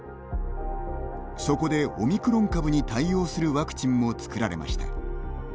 そこで、オミクロン株に対応するワクチンも作られました。